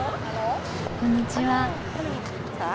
こんにちは。